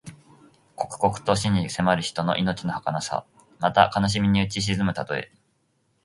刻々と死に迫る人の命のはかなさ。また、悲しみにうち沈むたとえ。